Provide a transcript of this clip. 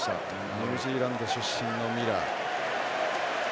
ニュージーランド出身のミラー。